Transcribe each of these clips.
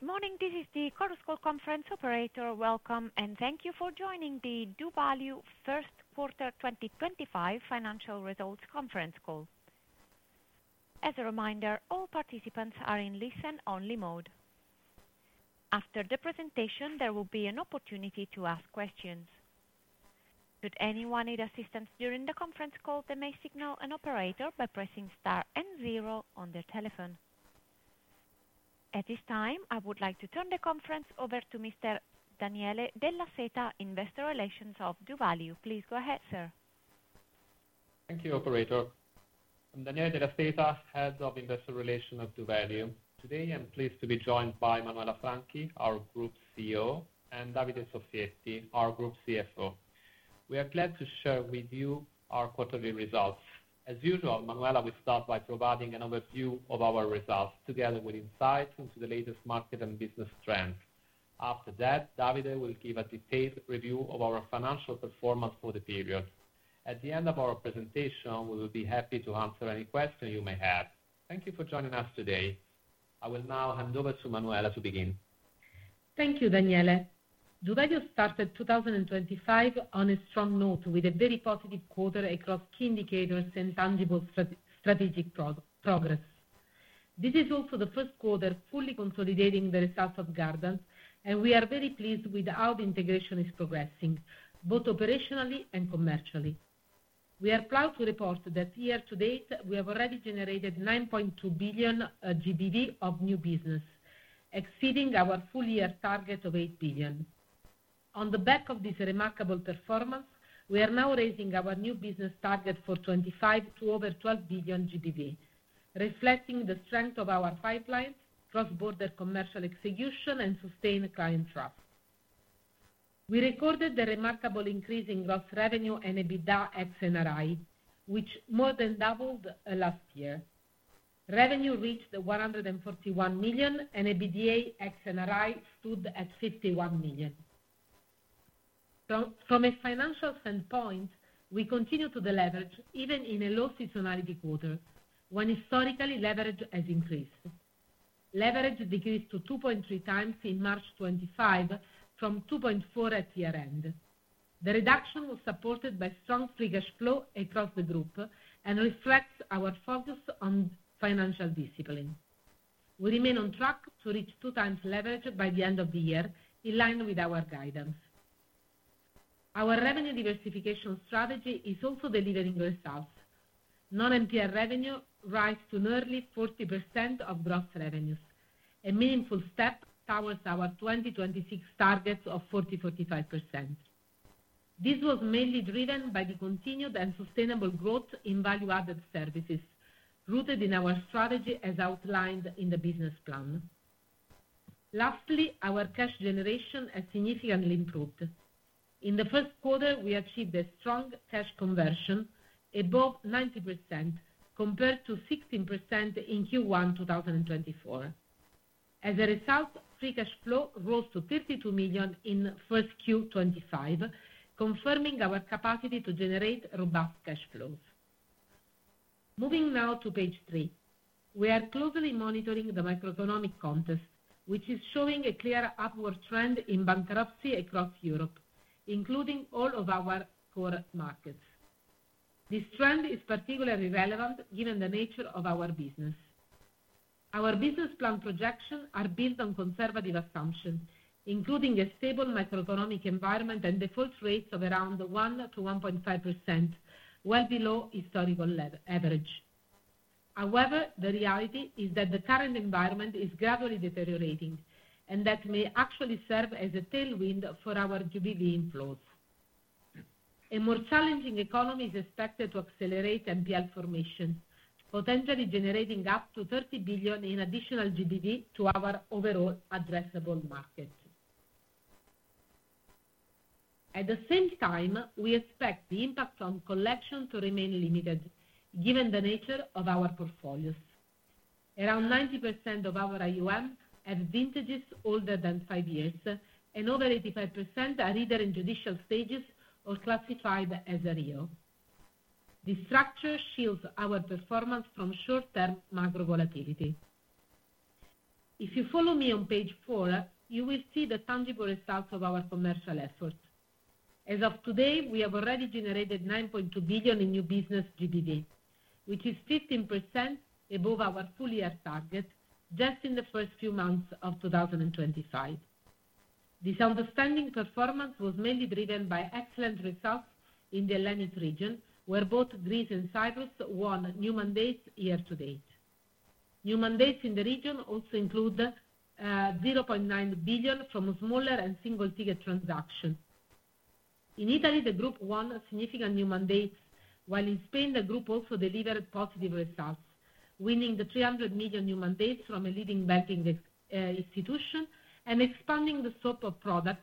Good morning, this is the Chorus Call conference operator. Welcome, and thank you for joining the doValue First Quarter 2025 Financial Results Conference Call. As a reminder, all participants are in listen-only mode. After the presentation, there will be an opportunity to ask questions. Should anyone need assistance during the conference call, they may signal an operator by pressing star and zero on their telephone. At this time, I would like to turn the conference over to Mr. Daniele Della Seta, Investor Relations of doValue. Please go ahead, sir. Thank you, operator. I'm Daniele Della Seta, Head of Investor Relations at doValue. Today, I'm pleased to be joined by Manuela Franchi, our Group CEO, and Davide Soffietti, our Group CFO. We are glad to share with you our quarterly results. As usual, Manuela, we start by providing an overview of our results together with insights into the latest market and business trends. After that, Davide will give a detailed review of our financial performance for the period. At the end of our presentation, we will be happy to answer any questions you may have. Thank you for joining us today. I will now hand over to Manuela to begin. Thank you, Daniele. doValue started 2025 on a strong note with a very positive quarter across key indicators and tangible strategic progress. This is also the first quarter fully consolidating the results of Gardant, and we are very pleased with how the integration is progressing, both operationally and commercially. We are proud to report that year to date, we have already generated 9.2 billion GBV of new business, exceeding our full-year target of 8 billion. On the back of this remarkable performance, we are now raising our new business target for 2025 to over 12 billion GBV, reflecting the strength of our pipeline, cross-border commercial execution, and sustained client trust. We recorded the remarkable increase in gross revenue and EBITDA ex NRI, which more than doubled last year. Revenue reached 141 million, and EBITDA ex NRI stood at 51 million. From a financial standpoint, we continue to deliver even in a low seasonality quarter, when historically leverage has increased. Leverage decreased to 2.3 times in March 2025, from 2.4 at year-end. The reduction was supported by strong free cash flow across the group and reflects our focus on financial discipline. We remain on track to reach 2 times leverage by the end of the year, in line with our guidance. Our revenue diversification strategy is also delivering results. Non-MPR revenue rose to nearly 40% of gross revenues, a meaningful step towards our 2026 target of 40%-45%. This was mainly driven by the continued and sustainable growth in value-added services, rooted in our strategy as outlined in the business plan. Lastly, our cash generation has significantly improved. In the first quarter, we achieved a strong cash conversion, above 90%, compared to 16% in Q1 2024. As a result, free cash flow rose to 32 million in first Q 2025, confirming our capacity to generate robust cash flows. Moving now to page three, we are closely monitoring the macroeconomic context, which is showing a clear upward trend in bankruptcy across Europe, including all of our core markets. This trend is particularly relevant given the nature of our business. Our business plan projections are built on conservative assumptions, including a stable macroeconomic environment and default rates of around 1%-1.5%, well below historical average. However, the reality is that the current environment is gradually deteriorating, and that may actually serve as a tailwind for our GBV inflows. A more challenging economy is expected to accelerate MPL formation, potentially generating up to 30 billion in additional GBV to our overall addressable market. At the same time, we expect the impact on collection to remain limited, given the nature of our portfolios. Around 90% of our IUM have vintages older than five years, and over 85% are either in judicial stages or classified as a REO. This structure shields our performance from short-term macro volatility. If you follow me on page four, you will see the tangible results of our commercial efforts. As of today, we have already generated 9.2 billion in new business GBV, which is 15% above our full-year target just in the first few months of 2025. This outstanding performance was mainly driven by excellent results in the Lannit region, where both Greece and Cyprus won new mandates year to date. New mandates in the region also include 0.9 billion from smaller and single-ticket transactions. In Italy, the Group won significant new mandates, while in Spain, the Group also delivered positive results, winning the 300 million new mandates from a leading banking institution and expanding the scope of products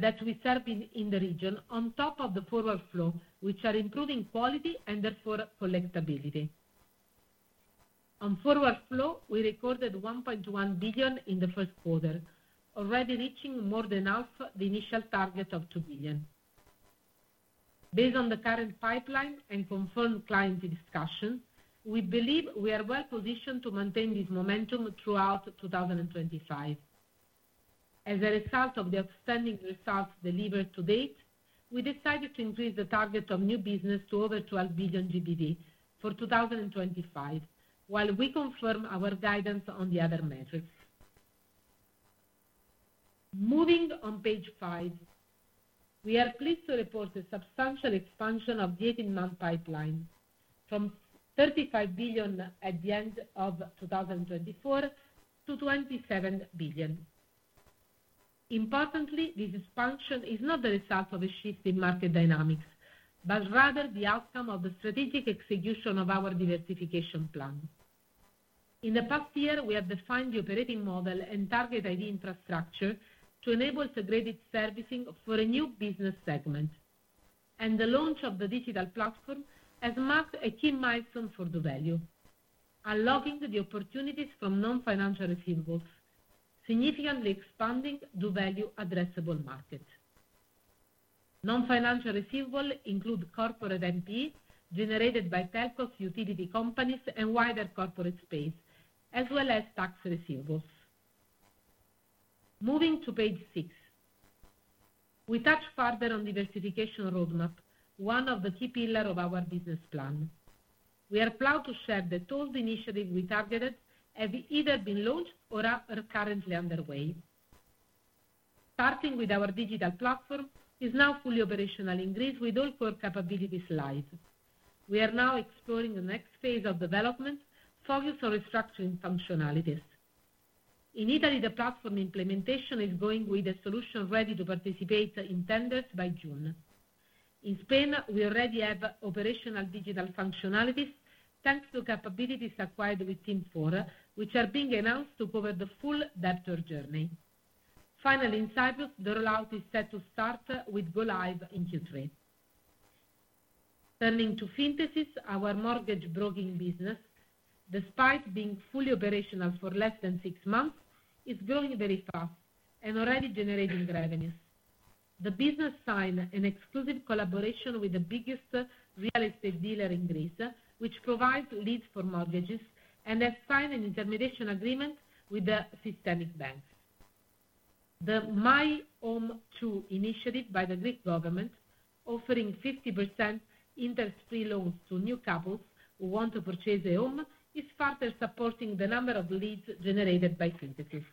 that we serve in the region on top of the forward flow, which are improving quality and therefore collectability. On forward flow, we recorded 1.1 billion in the first quarter, already reaching more than half the initial target of 2 billion. Based on the current pipeline and confirmed client discussions, we believe we are well positioned to maintain this momentum throughout 2025. As a result of the outstanding results delivered to date, we decided to increase the target of new business to over 12 billion GBV for 2025, while we confirm our guidance on the other metrics. Moving on page five, we are pleased to report a substantial expansion of the 18-month pipeline, from 35 billion at the end of 2024 to 27 billion. Importantly, this expansion is not the result of a shift in market dynamics, but rather the outcome of the strategic execution of our diversification plan. In the past year, we have defined the operating model and target ID infrastructure to enable segregated servicing for a new business segment, and the launch of the digital platform has marked a key milestone for doValue, unlocking the opportunities from non-financial receivables, significantly expanding doValue's addressable market. Non-financial receivables include corporate MP generated by telcos, utility companies, and wider corporate space, as well as tax receivables. Moving to page six, we touch further on the diversification roadmap, one of the key pillars of our business plan. We are proud to share that all the initiatives we targeted have either been launched or are currently underway. Starting with our digital platform, which is now fully operational in Greece with all core capabilities live. We are now exploring the next phase of development, focused on restructuring functionalities. In Italy, the platform implementation is going with a solution ready to participate in tenders by June. In Spain, we already have operational digital functionalities thanks to capabilities acquired with Team4, which are being announced to cover the full debtor journey. Finally, in Cyprus, the rollout is set to start with go-live in Q3. Turning to fintechs, our mortgage broking business, despite being fully operational for less than six months, is growing very fast and already generating revenues. The business signed an exclusive collaboration with the biggest real estate dealer in Greece, which provides leads for mortgages and has signed an intermediation agreement with the systemic bank. The MyHome2 initiative by the Greek government, offering 50% interest-free loans to new couples who want to purchase a home, is further supporting the number of leads generated by fintechs.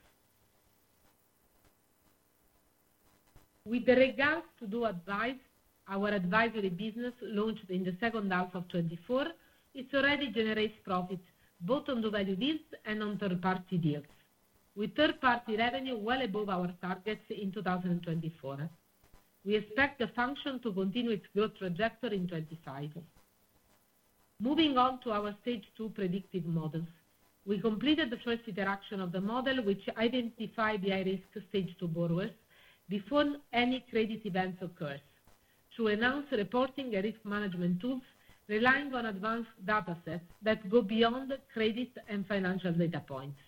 With regards to doAdvice, our advisory business launched in the second half of 2024, it already generates profits both on doValue deals and on third-party deals, with third-party revenue well above our targets in 2024. We expect the function to continue its growth trajectory in 2025. Moving on to our Stage Two Predictive Models, we completed the first iteration of the model, which identified the high-risk stage two borrowers before any credit events occurred, to enhance reporting and risk management tools relying on advanced datasets that go beyond credit and financial data points.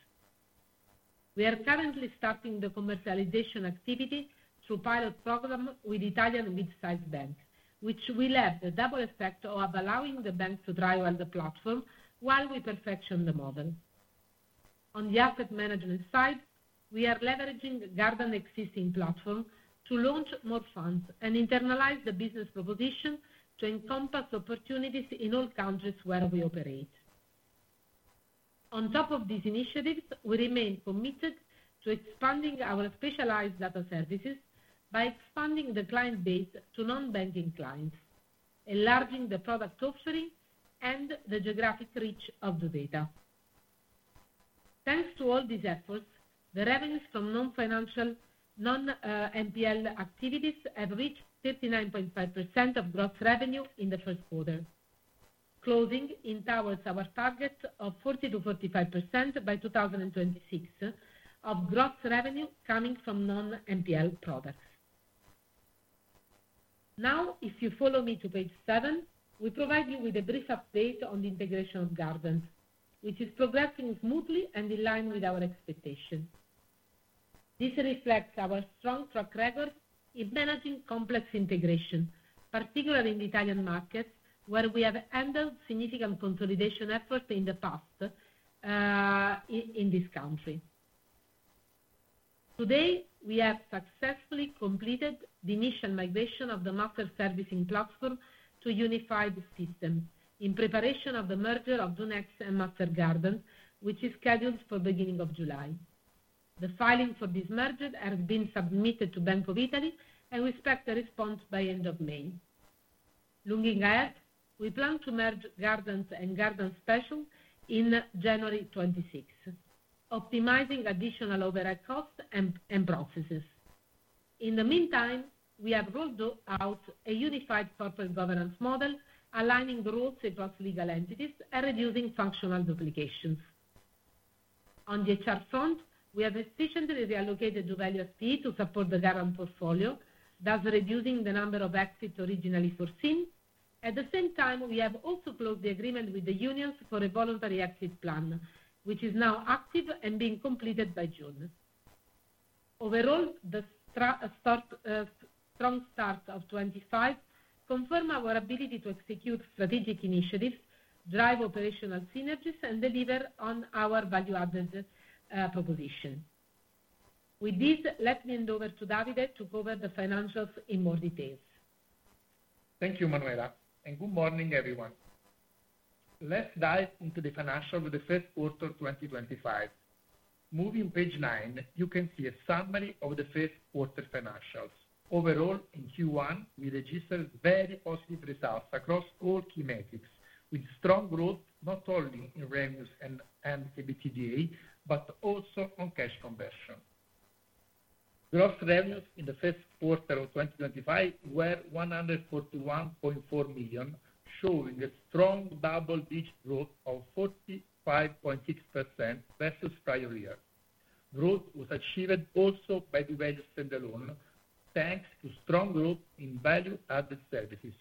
We are currently starting the commercialization activity through a pilot program with Italian mid-sized banks, which will have the double effect of allowing the bank to trial the platform while we perfection the model. On the asset management side, we are leveraging Gardant's existing platform to launch more funds and internalize the business proposition to encompass opportunities in all countries where we operate. On top of these initiatives, we remain committed to expanding our specialized data services by expanding the client base to non-banking clients, enlarging the product offering, and the geographic reach of the data. Thanks to all these efforts, the revenues from non-financial non-MPL activities have reached 39.5% of gross revenue in the first quarter, closing in towards our target of 40%-45% by 2026 of gross revenue coming from non-MPL products. Now, if you follow me to page seven, we provide you with a brief update on the integration of Gardant, which is progressing smoothly and in line with our expectations. This reflects our strong track record in managing complex integration, particularly in the Italian markets, where we have handled significant consolidation efforts in the past in this country. Today, we have successfully completed the initial migration of the master servicing platform to a unified system in preparation of the merger of Dunex and Master Gardant, which is scheduled for the beginning of July. The filing for this merger has been submitted to Bank of Italy, and we expect a response by end of May. Looking ahead, we plan to merge Gardant and Gardant Special in January 2026, optimizing additional overhead costs and processes. In the meantime, we have rolled out a unified corporate governance model, aligning the rules across legal entities and reducing functional duplications. On the HR front, we have efficiently reallocated doValue FPE to support the Gardant portfolio, thus reducing the number of exits originally foreseen. At the same time, we have also closed the agreement with the unions for a voluntary exit plan, which is now active and being completed by June. Overall, the strong start of 2025 confirms our ability to execute strategic initiatives, drive operational synergies, and deliver on our value-added proposition. With this, let me hand over to Davide to cover the financials in more detail. Thank you, Manuela, and good morning, everyone. Let's dive into the financials of the first quarter of 2025. Moving to page nine, you can see a summary of the first quarter financials. Overall, in Q1, we registered very positive results across all key metrics, with strong growth not only in revenues and EBITDA, but also on cash conversion. Gross revenues in the first quarter of 2025 were 141.4 million, showing a strong double-digit growth of 45.6% versus prior year. Growth was achieved also by doValue standalone, thanks to strong growth in value-added services,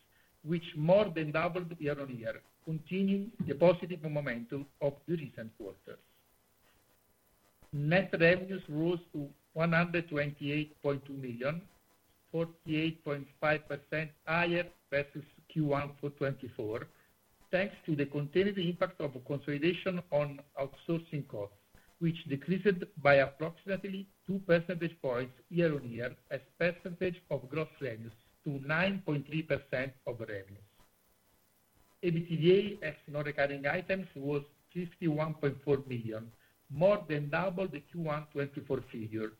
which more than doubled year-on-year, continuing the positive momentum of the recent quarters. Net revenues rose to 128.2 million, 48.5% higher versus Q1 for 2024, thanks to the continued impact of consolidation on outsourcing costs, which decreased by approximately 2 percentage points year-on-year, as percentage of gross revenues to 9.3% of revenues. EBITDA ex NRI was 51.4 million, more than double the Q1 2024 figure.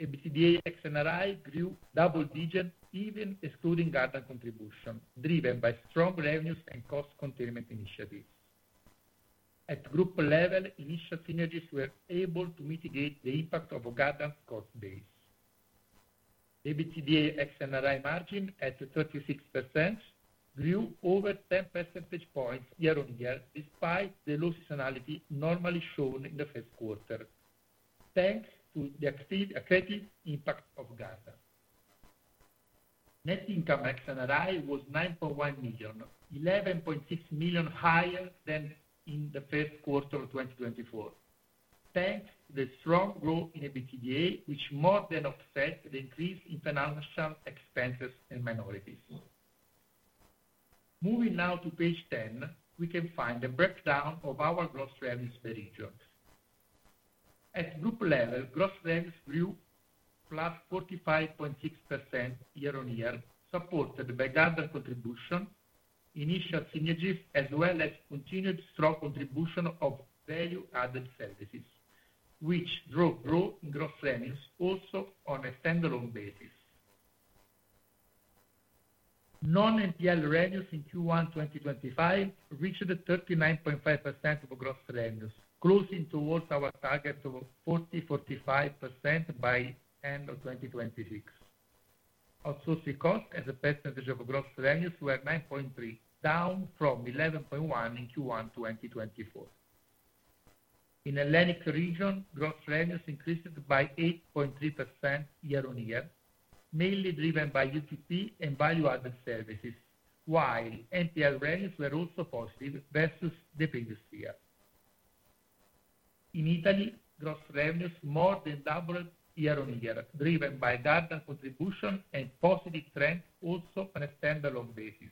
EBITDA ex NRI grew double-digit, even excluding Gardant contribution, driven by strong revenues and cost containment initiatives. At group level, initial synergies were able to mitigate the impact of Gardant's cost base. EBITDA ex NRI margin at 36% grew over 10 percentage points year-on-year, despite the losses analogy normally shown in the first quarter, thanks to the creative impact of Gardant. Net income ex NRI was 9.1 million, 11.6 million higher than in the first quarter of 2024, thanks to the strong growth in EBITDA, which more than offset the increase in financial expenses and minorities. Moving now to page ten, we can find a breakdown of our gross revenues per region. At group level, gross revenues grew plus 45.6% year-on-year, supported by Gardant contribution, initial synergies, as well as continued strong contribution of value-added services, which drove growth in gross revenues also on a standalone basis. Non-MPL revenues in Q1 2025 reached 39.5% of gross revenues, closing towards our target of 40.45% by end of 2026. Outsourcing costs as a percentage of gross revenues were 9.3%, down from 11.1% in Q1 2024. In the Lannit region, gross revenues increased by 8.3% year-on-year, mainly driven by UTP and value-added services, while MPL revenues were also positive versus the previous year. In Italy, gross revenues more than doubled year-on-year, driven by Gardant contribution and positive trends also on a standalone basis,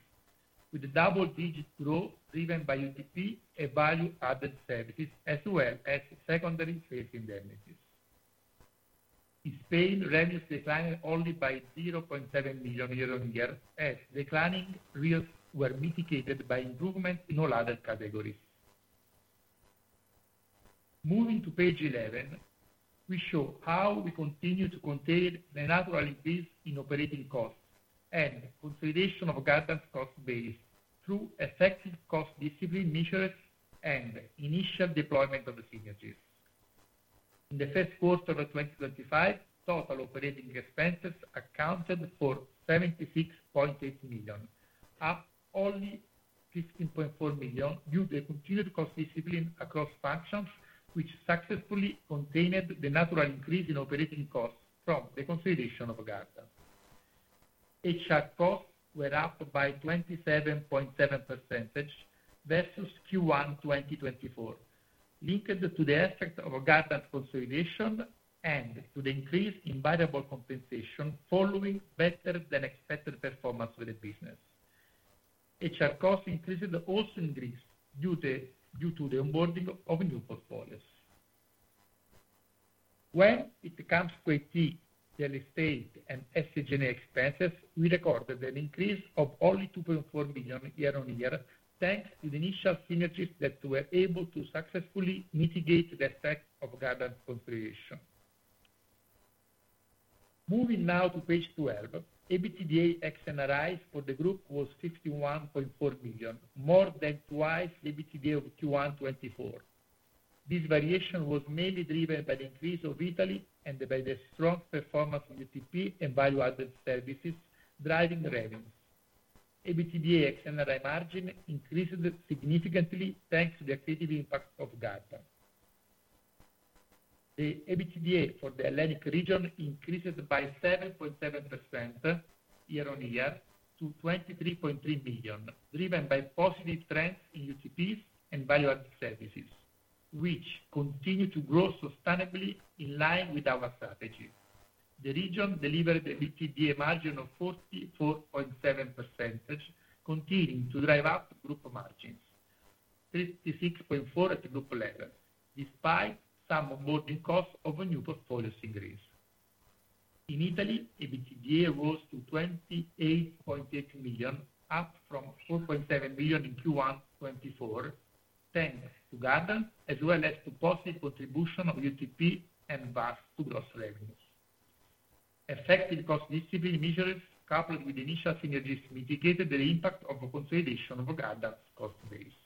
with double-digit growth driven by UTP and value-added services, as well as secondary sales indemnities. In Spain, revenues declined only by 0.7 million euros year-on-year, as declining revenues were mitigated by improvements in all other categories. Moving to page 11, we show how we continue to contain the natural increase in operating costs and consolidation of Gardant's cost base through effective cost discipline measures and initial deployment of the synergies. In the first quarter of 2025, total operating expenses accounted for 76.8 million, up only 15.4 million due to a continued cost discipline across functions, which successfully contained the natural increase in operating costs from the consolidation of Gardant. HR costs were up by 27.7% versus Q1 2024, linked to the effect of Gardant's consolidation and to the increase in variable compensation following better-than-expected performance of the business. HR costs increased also in Greece due to the onboarding of new portfolios. When it comes to IT, real estate, and SCGN expenses, we recorded an increase of only 2.4 million year-on-year, thanks to the initial synergies that we were able to successfully mitigate the effect of Gardant's consolidation. Moving now to page 12, EBITDA ex NRI for the group was 51.4 million, more than twice the EBITDA of Q1 2024. This variation was mainly driven by the increase of Italy and by the strong performance of UTP and value-added services driving revenues. EBITDA ex NRI margin increased significantly thanks to the accretive impact of Gardant. The EBITDA for the Lannit region increased by 7.7% year-on-year to 23.3 million, driven by positive trends in UTPs and value-added services, which continue to grow sustainably in line with our strategy. The region delivered an EBITDA margin of 44.7%, continuing to drive up group margins, 36.4% at group level, despite some onboarding costs of new portfolios in Greece. In Italy, EBITDA rose to 28.8 million, up from 4.7 million in Q1 2024, thanks to Gardant, as well as to positive contribution of UTP and VAS to gross revenues. Effective cost discipline measures coupled with initial synergies mitigated the impact of consolidation of Gardant's cost base.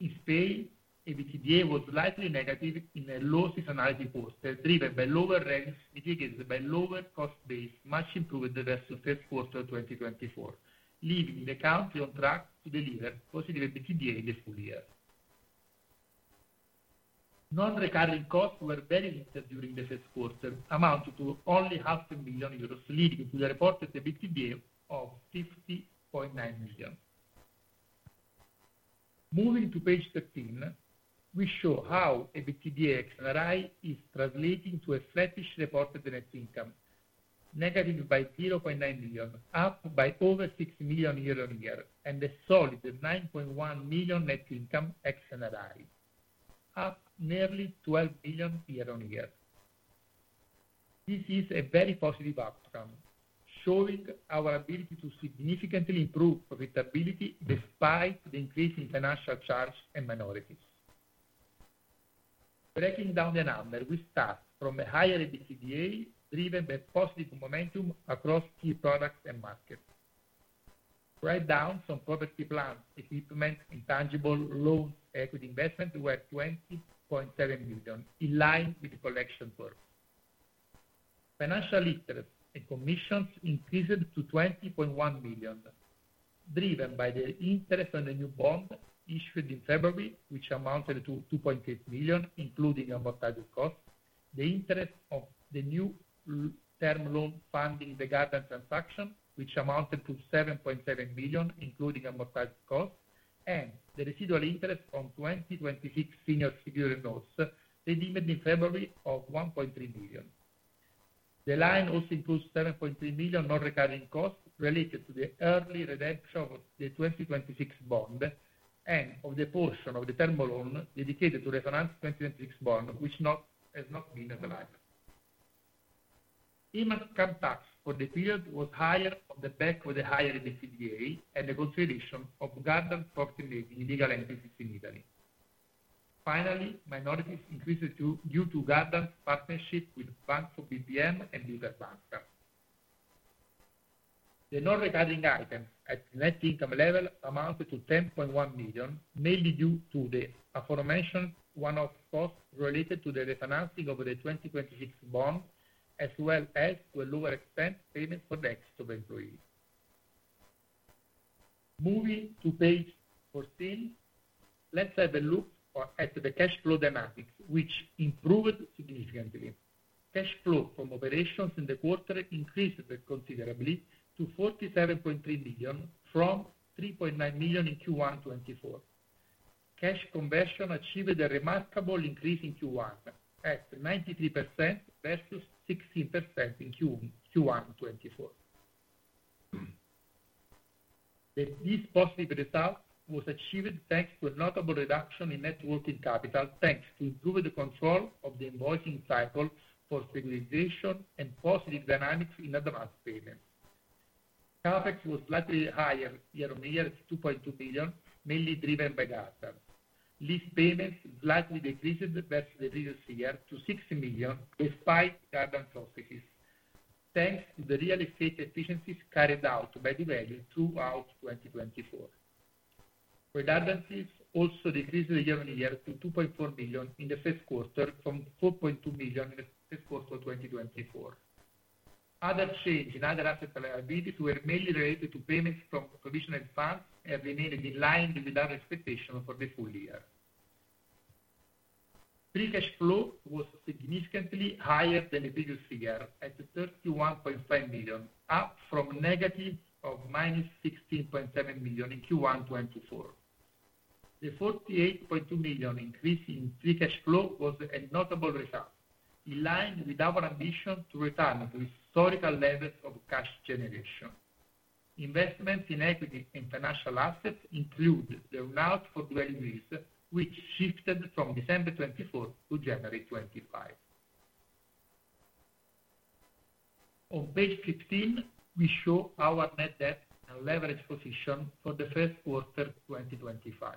In Spain, EBITDA was slightly negative in a losses analogy quarter, driven by lower revenues mitigated by lower cost base, much improved versus first quarter of 2024, leaving the country on track to deliver positive EBITDA in the full year. Non-recurring costs were very limited during the first quarter, amounting to only 500,000 euros, leading to the reported EBITDA of 50.9 million. Moving to page 13, we show how EBITDA ex NRI is translating to a flattish reported net income, negative by 0.9 million, up by over 6 million year-on-year, and a solid 9.1 million net income ex NRI, up nearly 12 million year-on-year. This is a very positive outcome, showing our ability to significantly improve profitability despite the increase in financial charge and minorities. Breaking down the number, we start from a higher EBITDA, driven by positive momentum across key products and markets. Write-downs on property, plant, equipment, intangibles, loans, equity investments were 20.7 million, in line with the collection curve. Financial interest and commissions increased to 20.1 million, driven by the interest on the new bond issued in February, which amounted to 2.8 million, including amortized costs, the interest of the new term loan funding the Gardant transaction, which amounted to 7.7 million, including amortized costs, and the residual interest on 2026 senior security notes that emerged in February of 1.3 million. The line also includes 7.3 million non-recurring costs related to the early redemption of the 2026 bond and of the portion of the term loan dedicated to reference 2026 bond, which has not been arrived. Income tax for the period was higher on the back of the higher EBITDA and the consolidation of Gardant's consolidating legal entities in Italy. Finally, minorities increased due to Gardant's partnership with Banco BPM and Interbanca. The non-recurring items at net income level amounted to 10.1 million, mainly due to the formation of costs related to the refinancing of the 2026 bond, as well as to a lower expense payment for the exit of employees. Moving to page 14, let's have a look at the cash flow dynamics, which improved significantly. Cash flow from operations in the quarter increased considerably to 47.3 million from 3.9 million in Q1 2024. Cash conversion achieved a remarkable increase in Q1 at 93% versus 16% in Q1 2024. This positive result was achieved thanks to a notable reduction in net working capital, thanks to improved control of the invoicing cycle for stabilization and positive dynamics in advance payments. CapEx was slightly higher year-on-year at 2.2 million, mainly driven by Gardant. Lease payments slightly decreased versus the previous year to 6 million, despite Gardant's processes, thanks to the real estate efficiencies carried out by doValue throughout 2024. Redundancies also decreased year-on-year to 2.4 million in the first quarter from 4.2 million in the first quarter of 2023. Other change in other asset liabilities were mainly related to payments from provisional funds and remained in line with our expectations for the full year. Free cash flow was significantly higher than the previous figure at 31.5 million, up from negative of minus 16.7 million in Q1 2023. The 48.2 million increase in free cash flow was a notable result, in line with our ambition to return to historical levels of cash generation. Investments in equity and financial assets include the runout for doing lease, which shifted from December 2024 to January 2025. On page 15, we show our net debt and leverage position for the first quarter of 2025.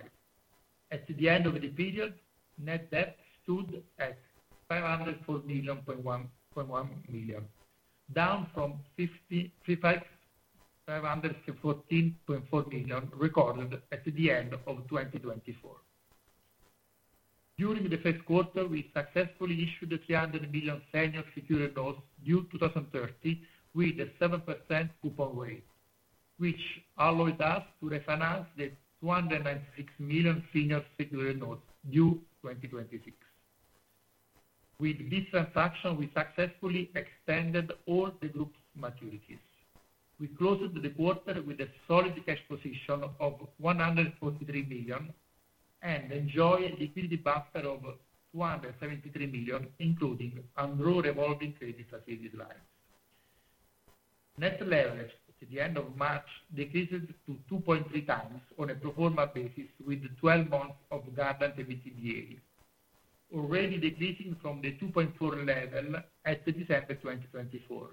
At the end of the period, net debt stood at 504.1 million, down from 514.4 million recorded at the end of 2024. During the first quarter, we successfully issued the 300 million senior security notes due 2030 with a 7% coupon rate, which allowed us to refinance the 296 million senior security notes due 2026. With this transaction, we successfully extended all the group's maturities. We closed the quarter with a solid cash position of 143 million and enjoyed a liquidity buffer of 273 million, including on raw revolving credit facility lines. Net leverage at the end of March decreased to 2.3x on a pro forma basis with 12 months of Gardant's EBITDA, already decreasing from the 2.4 level at December 2024,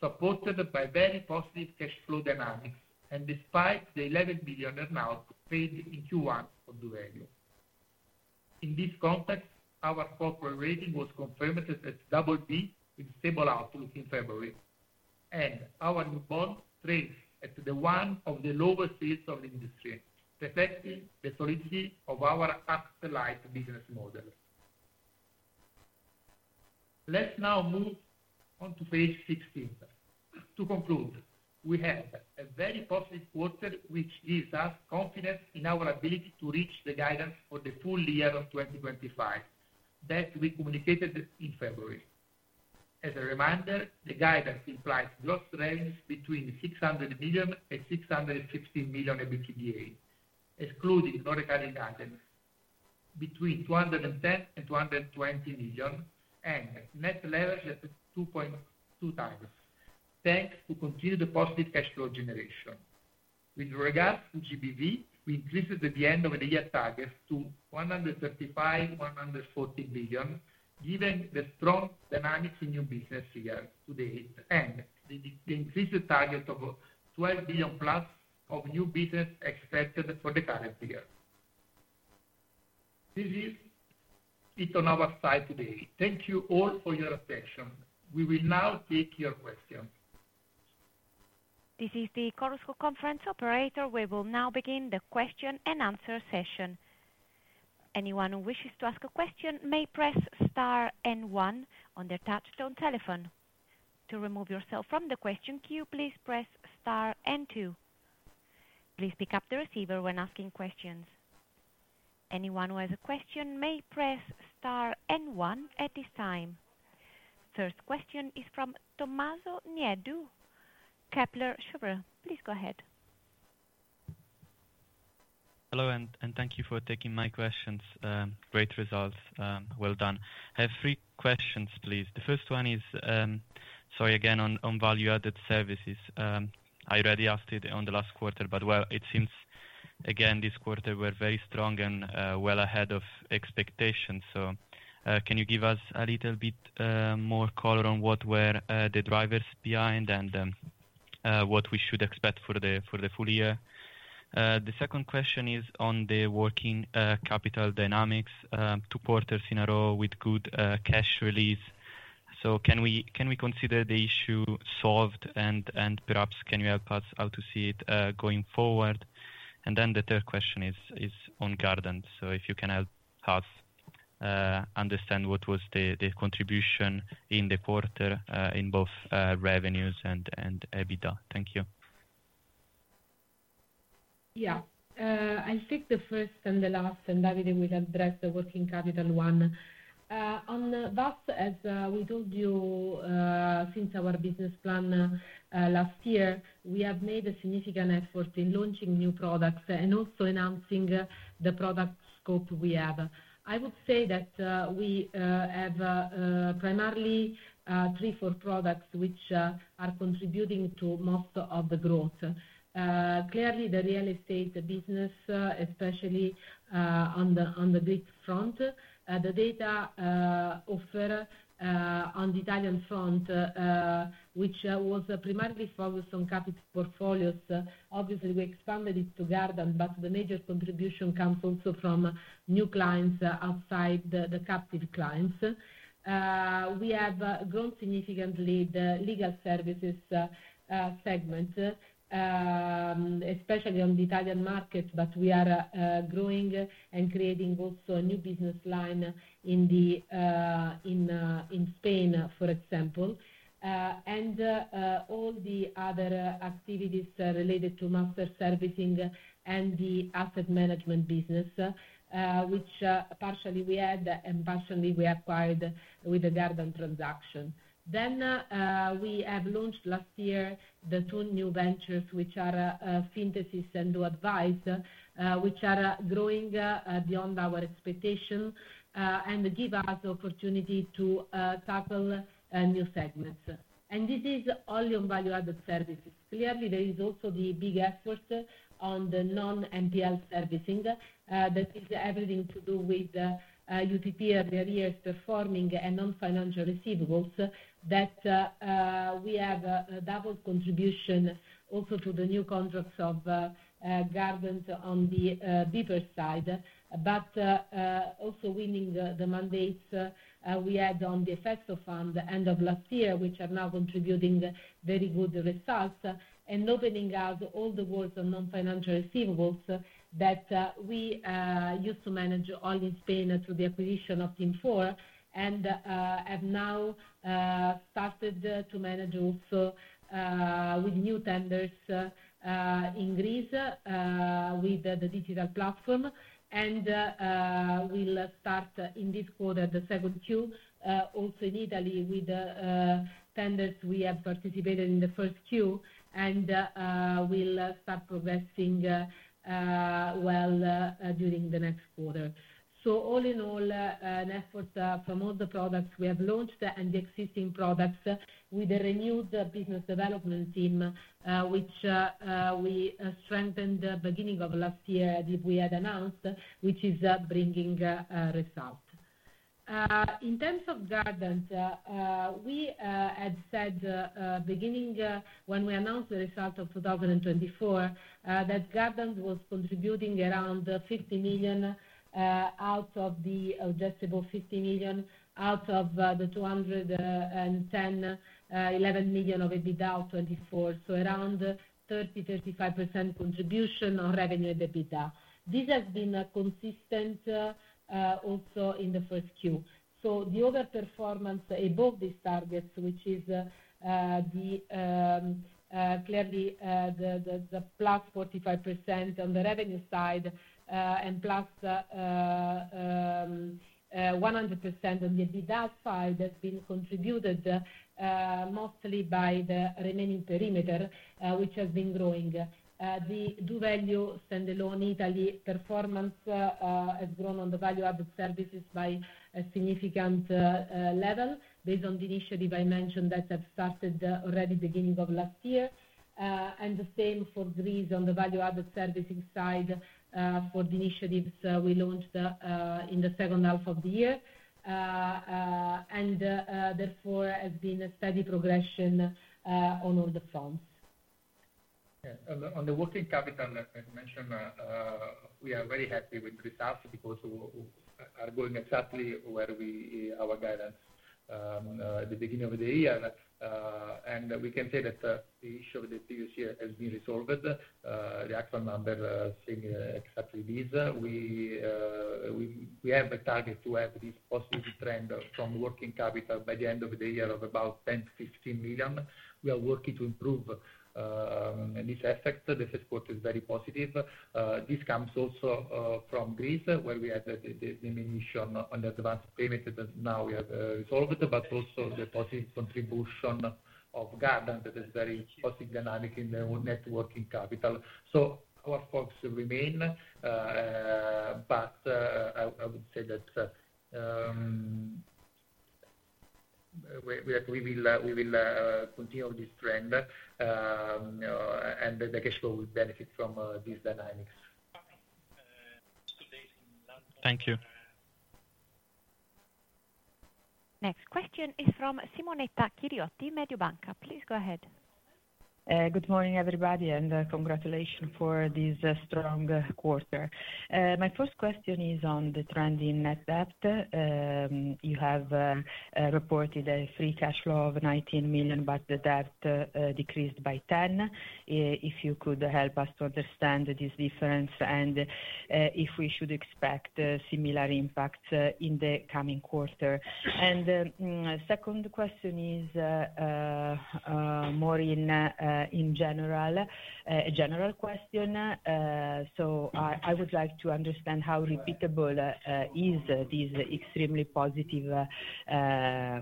supported by very positive cash flow dynamics and despite the 11 million earn-out paid in Q1 of doValue. In this context, our corporate rating was confirmed as Double B with stable outlook in February, and our new bond trades at one of the lowest yields of the industry, reflecting the solidity of our upslide business model. Let's now move on to page 16. To conclude, we have a very positive quarter, which gives us confidence in our ability to reach the guidance for the full year of 2025 that we communicated in February. As a reminder, the guidance implies gross revenues between 600 million-650 million, EBITDA ex NRI between 210 million-220 million, and net leverage at 2.2x, thanks to continued positive cash flow generation. With regards to GBV, we increased the end-of-the-year target to 135 billion-140 billion, given the strong dynamics in new business figures to date, and the increased target of 12 billion plus of new business expected for the current year. This is it on our side today. Thank you all for your attention. We will now take your questions. This is the Chorus Call Conference Operator. We will now begin the question-and-answer session. Anyone who wishes to ask a question may press star and 1 on their touch-tone telephone. To remove yourself from the question queue, please press star and 2. Please pick up the receiver when asking questions. Anyone who has a question may press Star and One at this time. First question is from Tommaso Nieddu, Kepler Cheuvreux. Please go ahead. Hello, and thank you for taking my questions. Great results. Well done. I have three questions, please. The first one is, sorry again, on value-added services. I already asked it on the last quarter, but, it seems, again, this quarter was very strong and well ahead of expectations. Can you give us a little bit more color on what were the drivers behind and what we should expect for the full year? The second question is on the working capital dynamics. Two quarters in a row with good cash release. Can we consider the issue solved? And perhaps can you help us out to see it going forward? The third question is on Gardant. If you can help us understand what was the contribution in the quarter in both revenues and EBITDA. Thank you. Yeah. I'll take the first and the last, and Davide will address the working capital one. On VAS, as we told you, since our business plan last year, we have made a significant effort in launching new products and also announcing the product scope we have. I would say that we have primarily three, four products which are contributing to most of the growth. Clearly, the real estate business, especially on the big front, the data offer on the Italian front, which was primarily focused on capital portfolios. Obviously, we expanded it to Gardant, but the major contribution comes also from new clients outside the captive clients. We have grown significantly the legal services segment, especially on the Italian market, but we are growing and creating also a new business line in Spain, for example, and all the other activities related to master servicing and the asset management business, which partially we had and partially we acquired with the Gardant transaction. We have launched last year the two new ventures, which are Synthesis and doAdvice, which are growing beyond our expectations and give us the opportunity to tackle new segments. This is only on value-added services. Clearly, there is also the big effort on the non-MPL servicing that is everything to do with UTP, earlier performing, and non-financial receivables that we have a double contribution also to the new contracts of Gardant on the deeper side, but also winning the mandates we had on the Festo Fund end of last year, which are now contributing very good results and opening up all the walls on non-financial receivables that we used to manage all in Spain through the acquisition of Team4 and have now started to manage also with new tenders in Greece with the digital platform. We will start in this quarter, the second quarter, also in Italy with tenders we have participated in the first quarter, and we will start progressing well during the next quarter. All in all, an effort from all the products we have launched and the existing products with the renewed business development team, which we strengthened at the beginning of last year that we had announced, which is bringing results. In terms of Gardant, we had said at the beginning when we announced the result of 2024 that Gardant was contributing around 50 million out of the adjustable 50 million out of the 210 million, 11 million of EBITDA out of 24, so around 30%-35% contribution on revenue and EBITDA. This has been consistent also in the 1Q. The overall performance above these targets, which is clearly the plus 45% on the revenue side and plus 100% on the EBITDA side, has been contributed mostly by the remaining perimeter, which has been growing. The doValue standalone Italy performance has grown on the value-added services by a significant level based on the initiative I mentioned that had started already beginning of last year. The same for Greece on the value-added services side for the initiatives we launched in the second half of the year. Therefore, there's been a steady progression on all the fronts. On the working capital that I mentioned, we are very happy with the results because we are going exactly where our guidance at the beginning of the year. We can say that the issue of the previous year has been resolved. The actual number seems exactly this. We have a target to have this positive trend from working capital by the end of the year of about 10 million- 15 million. We are working to improve this effect. This effort is very positive. This comes also from Greece, where we had the diminish on the advance payment that now we have resolved, but also the positive contribution of Gardant that is very positive dynamic in the net working capital. Our focus remains, but I would say that we will continue this trend, and the cash flow will benefit from these dynamics. Thank you. Next question is from Simonetta Chiriotti, Mediobanca. Please go ahead. Good morning, everybody, and congratulations for this strong quarter. My first question is on the trend in net debt. You have reported a free cash flow of 19 million, but the debt decreased by 10 million. If you could help us to understand this difference and if we should expect similar impacts in the coming quarter. The second question is more in general, a general question. I would like to understand how repeatable is this extremely positive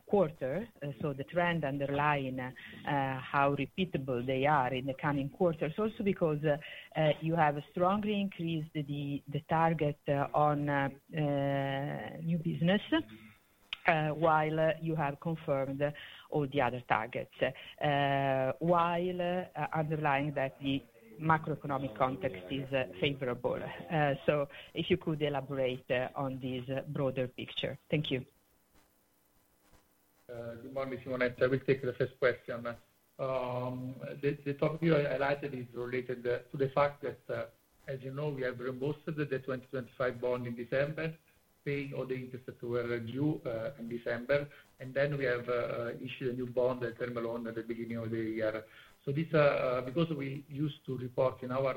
quarter, so the trend underlying how repeatable they are in the coming quarters, also because you have strongly increased the target on new business while you have confirmed all the other targets, while underlying that the macroeconomic context is favorable. If you could elaborate on this broader picture. Thank you. Good morning, Simonetta. We'll take the first question. The topic I like is related to the fact that, as you know, we have reimbursed the 2025 bond in December, paying all the interest that were due in December, and then we have issued a new bond, a terminal loan, at the beginning of the year. Because we used to report in our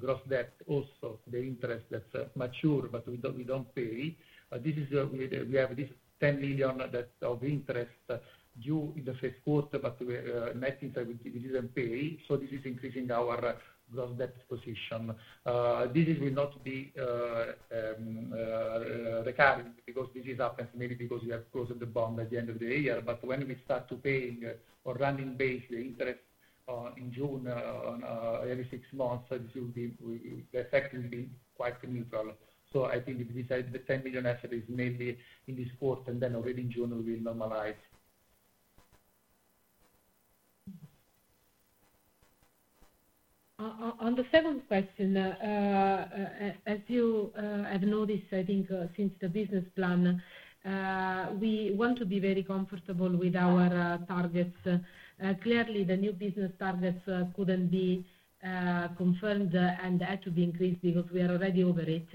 gross debt also the interest that's matured, but we do not pay, we have this 10 million of interest due in the first quarter, but we are netting that we did not pay. This is increasing our gross debt position. This will not be recurring because this happens mainly because we have closed the bond at the end of the year. When we start to pay on a running basis, the interest in June, every six months, the effect will be quite neutral. I think the 10 million effect is mainly in this quarter, and then already in June, we will normalize. On the second question, as you have noticed, I think since the business plan, we want to be very comfortable with our targets. Clearly, the new business targets could not be confirmed and had to be increased because we are already over it,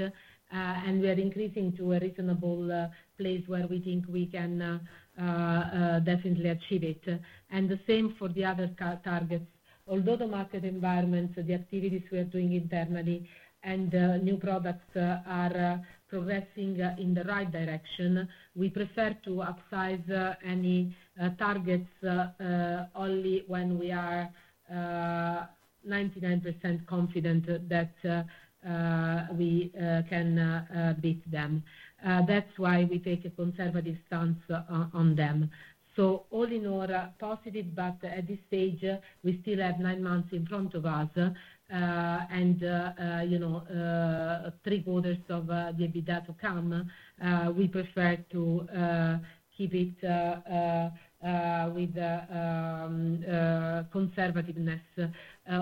and we are increasing to a reasonable place where we think we can definitely achieve it. The same for the other targets. Although the market environment, the activities we are doing internally, and new products are progressing in the right direction, we prefer to upsize any targets only when we are 99% confident that we can beat them. That is why we take a conservative stance on them. All in all, positive, but at this stage, we still have nine months in front of us, and three quarters of the EBITDA to come. We prefer to keep it with conservativeness.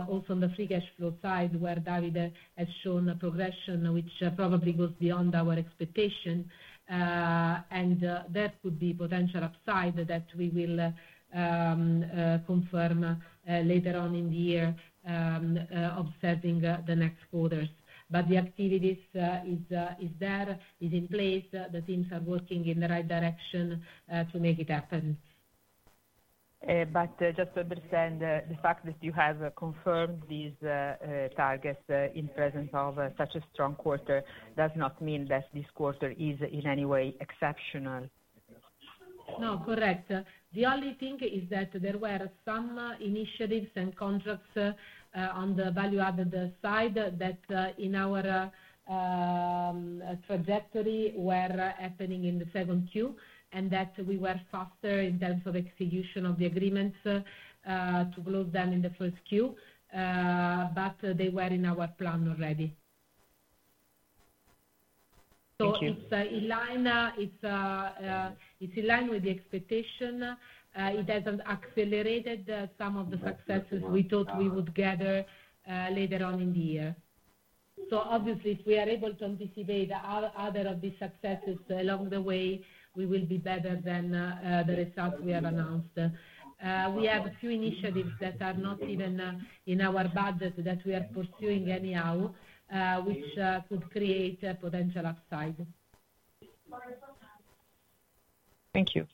Also on the free cash flow side, where Davide has shown a progression which probably goes beyond our expectation, and that could be potential upside that we will confirm later on in the year observing the next quarters. The activity is there, is in place. The teams are working in the right direction to make it happen. Just to understand, the fact that you have confirmed these targets in the presence of such a strong quarter does not mean that this quarter is in any way exceptional. No, correct. The only thing is that there were some initiatives and contracts on the value-added side that in our trajectory were happening in the second quarter, and that we were faster in terms of execution of the agreements to close them in the first quarter, but they were in our plan already. It is in line with the expectation. It has accelerated some of the successes we thought we would gather later on in the year. Obviously, if we are able to anticipate other of these successes along the way, we will be better than the results we have announced. We have a few initiatives that are not even in our budget that we are pursuing anyhow, which could create potential upside. Thank you.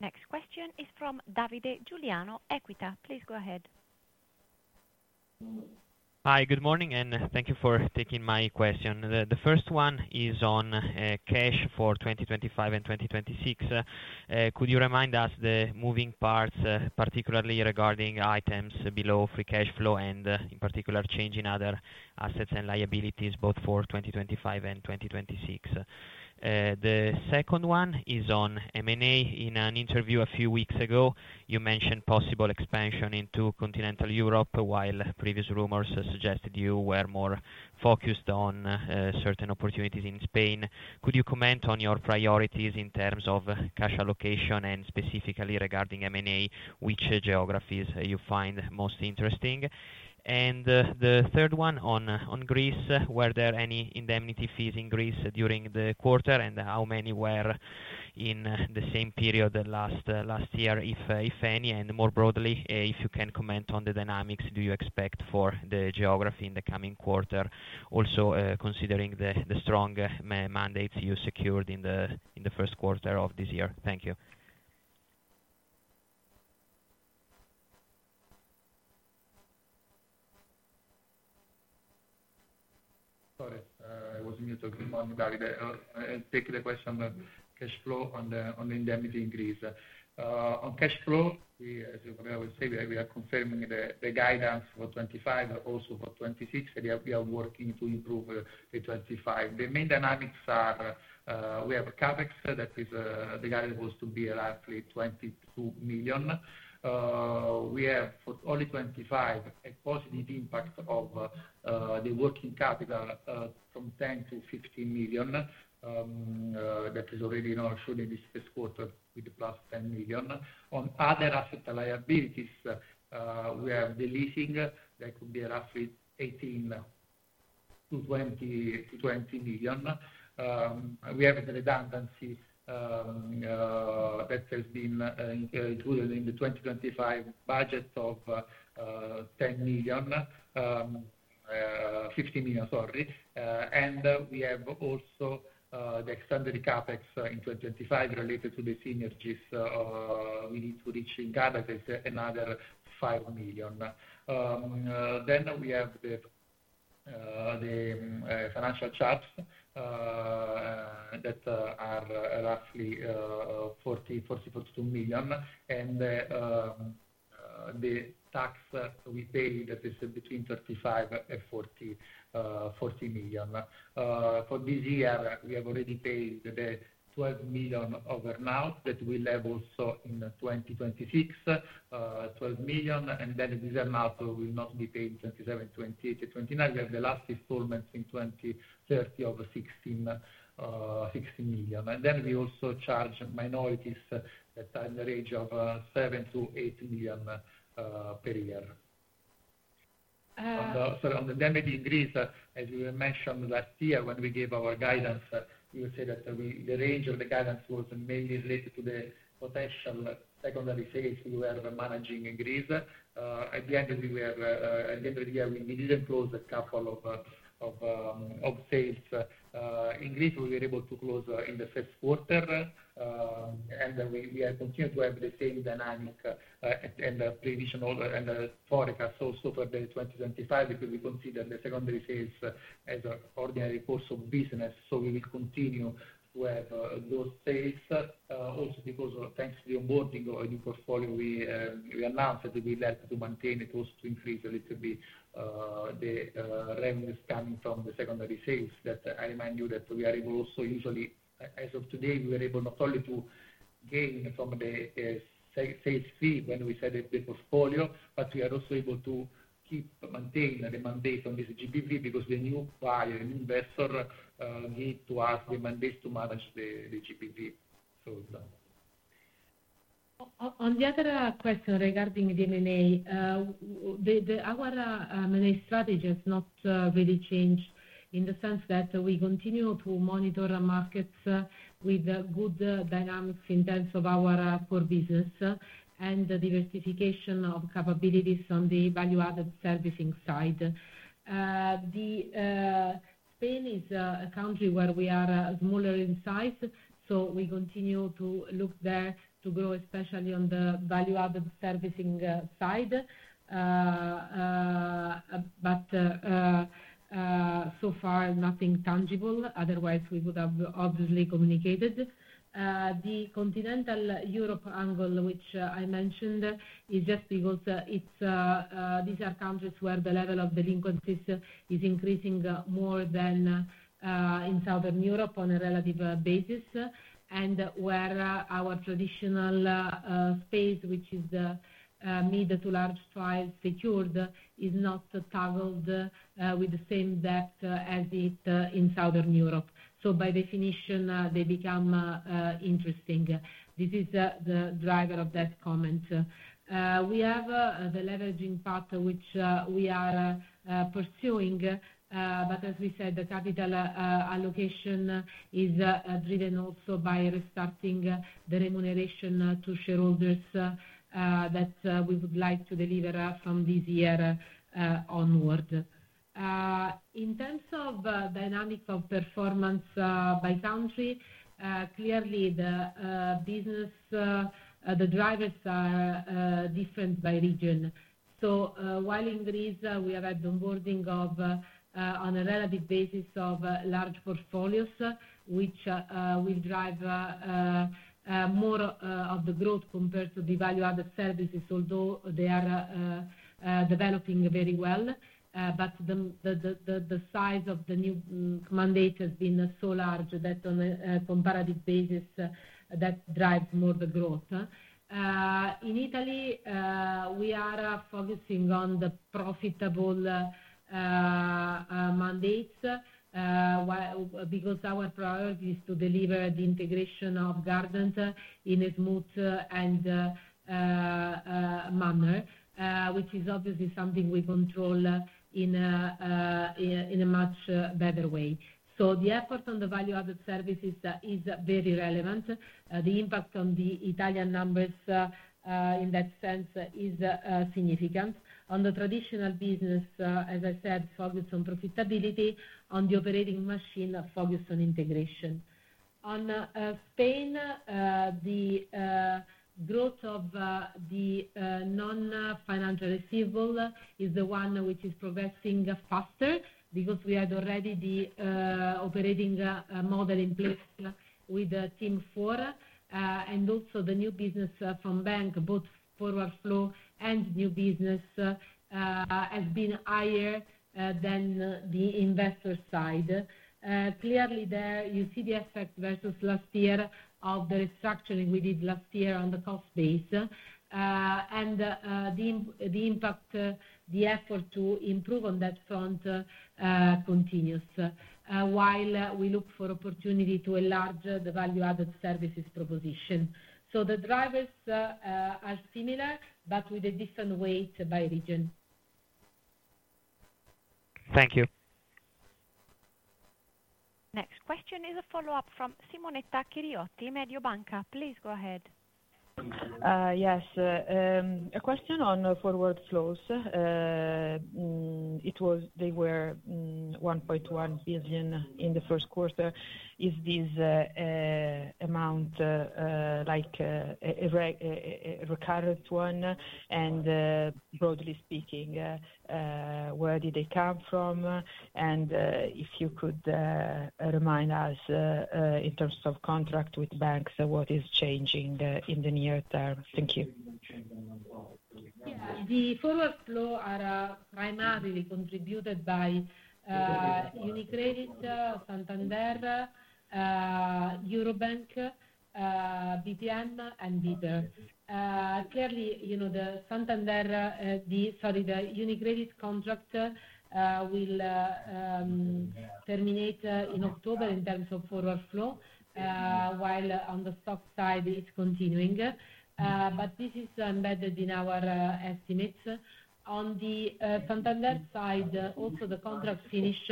Next question is from Davide Giuliano, Equita. Please go ahead. Hi, good morning, and thank you for taking my question. The first one is on cash for 2025 and 2026. Could you remind us the moving parts, particularly regarding items below free cash flow and in particular changing other assets and liabilities both for 2025 and 2026? The second one is on M&A. In an interview a few weeks ago, you mentioned possible expansion into continental Europe while previous rumors suggested you were more focused on certain opportunities in Spain. Could you comment on your priorities in terms of cash allocation and specifically regarding M&A, which geographies you find most interesting? The third one on Greece, were there any indemnity fees in Greece during the quarter, and how many were in the same period last year, if any, and more broadly, if you can comment on the dynamics do you expect for the geography in the coming quarter, also considering the strong mandates you secured in the first quarter of this year? Thank you. Sorry, I was muted. Good morning, Davide. Take the question on cash flow and the indemnity in Greece. On cash flow, as I always say, we are confirming the guidance for 2025, also for 2026, and we are working to improve the 2025. The main dynamics are we have a CapEx that is the guidance was to be around 22 million. We have for only 2025 a positive impact of the working capital from 10 million-15 million that is already now shown in this first quarter with plus 10 million. On other assets and liabilities, we have the leasing that could be around 18 million-20 million. We have the redundancy that has been included in the 2025 budget of 10 million, 15 million, sorry. We have also the extended CapEx in 2025 related to the synergies we need to reach in Gardant is another 5 million. We have the financial charts that are roughly 40 million-42 million, and the tax we pay that is between 35 million and 40 million. For this year, we have already paid the 12 million overnight that we'll have also in 2026, 12 million, and then this amount will not be paid in 2027, 2028, 2029. We have the last installment in 2030 of 16 million. We also charge minorities that are in the range of 7 million-8 million per year. Sorry, on the indemnity in Greece, as we mentioned last year, when we gave our guidance, we will say that the range of the guidance was mainly related to the potential secondary sales we were managing in Greece. At the end of the year, we did not close a couple of sales in Greece. We were able to close in the first quarter, and we have continued to have the same dynamic and provisional and the forecast also for 2025 because we consider the secondary sales as an ordinary course of business. We will continue to have those sales. Also because thanks to the onboarding of the portfolio, we announced that we would like to maintain it also to increase a little bit the revenues coming from the secondary sales. I remind you that we are able also usually, as of today, we were able not only to gain from the sales fee when we set up the portfolio, but we are also able to keep, maintain the mandate on this GBV because the new buyer, new investor gave to us the mandate to manage the GBV. On the other question regarding the M&A, our M&A strategy has not really changed in the sense that we continue to monitor markets with good dynamics in terms of our core business and the diversification of capabilities on the value-added servicing side. Spain is a country where we are smaller in size, so we continue to look there to grow, especially on the value-added servicing side, but so far nothing tangible. Otherwise, we would have obviously communicated. The continental Europe angle, which I mentioned, is just because these are countries where the level of delinquencies is increasing more than in Southern Europe on a relative basis, and where our traditional space, which is mid to large files secured, is not toggled with the same depth as it is in Southern Europe. By definition, they become interesting. This is the driver of that comment. We have the leveraging part which we are pursuing, but as we said, the capital allocation is driven also by restarting the remuneration to shareholders that we would like to deliver from this year onward. In terms of dynamics of performance by country, clearly the business, the drivers are different by region. While in Greece, we have had onboarding on a relative basis of large portfolios, which will drive more of the growth compared to the value-added services, although they are developing very well. The size of the new mandate has been so large that on a comparative basis, that drives more the growth. In Italy, we are focusing on the profitable mandates because our priority is to deliver the integration of Gardant in a smooth and manner, which is obviously something we control in a much better way. The effort on the value-added services is very relevant. The impact on the Italian numbers in that sense is significant. On the traditional business, as I said, focus on profitability. On the operating machine, focus on integration. On Spain, the growth of the non-financial receivable is the one which is progressing faster because we had already the operating model in place with Team 4, and also the new business from bank, both forward flow and new business, has been higher than the investor side. Clearly, there you see the effect versus last year of the restructuring we did last year on the cost base, and the effort to improve on that front continues while we look for opportunity to enlarge the value-added services proposition. The drivers are similar, but with a different weight by region. Thank you. Next question is a follow-up from Simonetta Chiriotti, Mediobanca. Please go ahead. Yes. A question on forward flows. They were 1.1 billion in the first quarter. Is this amount like a recurrent one? And broadly speaking, where did they come from? And if you could remind us in terms of contract with banks, what is changing in the near term? Thank you. Yeah. The forward flow are primarily contributed by UniCredit, Santander, Eurobank, Banco BPM, and Deutsche Bank. Clearly, the Santander, sorry, the UniCredit contract will terminate in October in terms of forward flow, while on the stock side, it's continuing. This is embedded in our estimates. On the Santander side, also the contract finished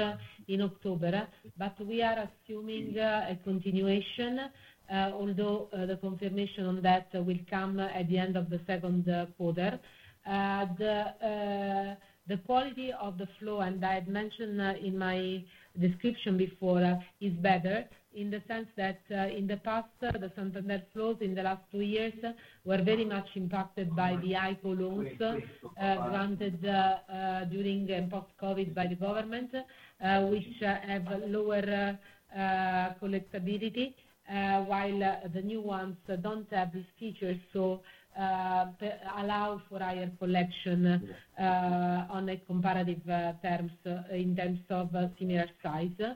in October, but we are assuming a continuation, although the confirmation on that will come at the end of the second quarter. The quality of the flow, and I had mentioned in my description before, is better in the sense that in the past, the Santander flows in the last two years were very much impacted by the IPO loans granted during and post-COVID by the government, which have lower collectability, while the new ones do not have these features to allow for higher collection on comparative terms in terms of similar size.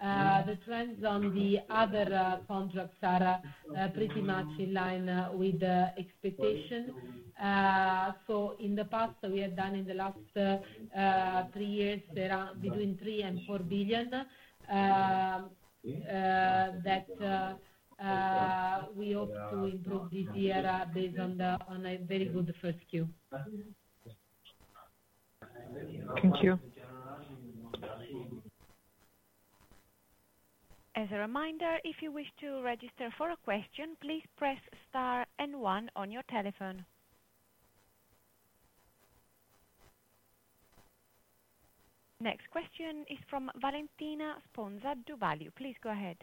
The trends on the other contracts are pretty much in line with expectations. In the past, we had done in the last three years between 3 billion and 4 billion that we hope to improve this year based on a very good first quarter. Thank you. As a reminder, if you wish to register for a question, please press star and one on your telephone. Next question is from Valentina Sponza Duvalli. Please go ahead.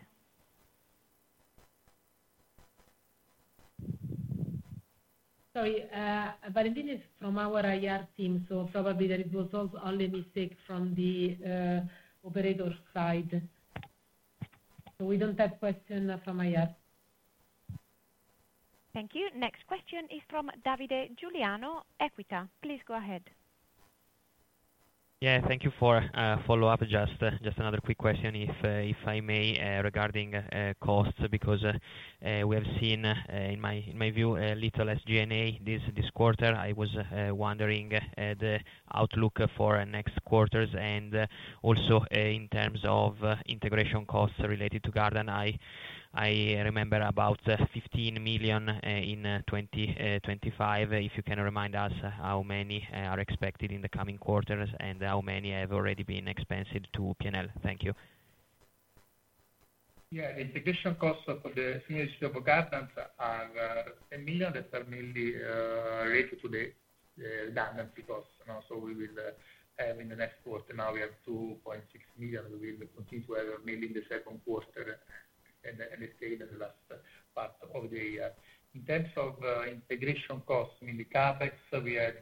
Sorry. Valentina is from our IR team, so probably there was only a mistake from the operator side. We do not have questions from IR. Thank you. Next question is from Davide Giuliano, Equita. Please go ahead. Yeah. Thank you for a follow-up. Just another quick question, if I may, regarding costs, because we have seen, in my view, little SG&A this quarter. I was wondering the outlook for next quarters and also in terms of integration costs related to Gardant. I remember about 15 million in 2025. If you can remind us how many are expected in the coming quarters and how many have already been expensed to P&L. Thank you. Yeah. The integration costs for the simulation of Gardant are EUR 10 million that are mainly related to the Gardant costs. We will have in the next quarter. Now we have 2.6 million. We will continue to have mainly in the second quarter and stay in the last part of the year. In terms of integration costs, in the CapEx, we had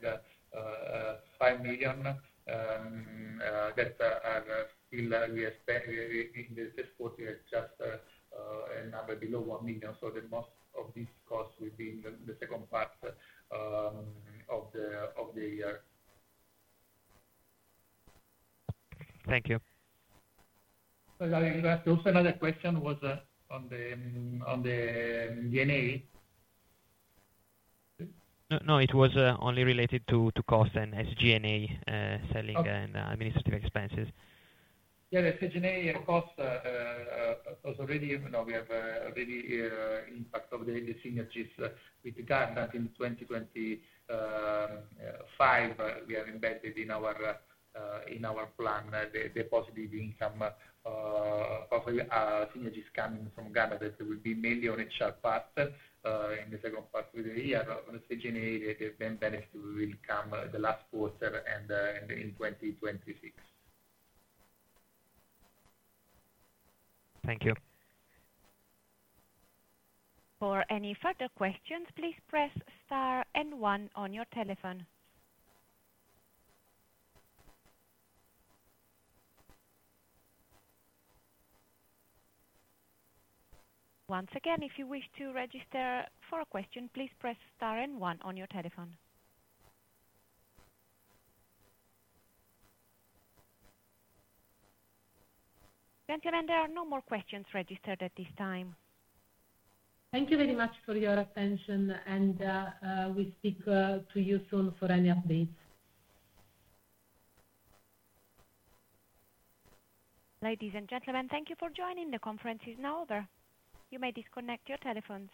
5 million that are still in the first quarter, just a number below 1 million. So most of these costs will be in the second part of the year. Thank you. Sorry, I forgot. Also another question was on the SG&A. No, it was only related to cost and SG&A selling and administrative expenses. Yeah. The SG&A costs was already we have already impact of the synergies with Gardant in 2025. We have embedded in our plan the positive income, positive synergies coming from Gardant that will be mainly on HR part in the second part of the year. The SG&A benefit will come the last quarter and in 2026. Thank you. For any further questions, please press star and one on your telephone. Once again, if you wish to register for a question, please press star and one on your telephone. Gentlemen, there are no more questions registered at this time. Thank you very much for your attention, and we speak to you soon for any updates. Ladies and gentlemen, thank you for joining. The conference is now over. You may disconnect your telephones.